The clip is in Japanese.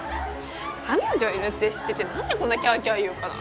彼女いるって知ってて何でこんなキャキャ言うかな